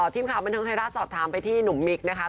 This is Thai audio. ทีมข่าวบันเทิงไทยรัฐสอบถามไปที่หนุ่มมิกนะคะ